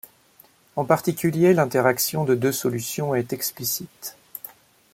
En particulier, l'interaction de deux solutions est explicite.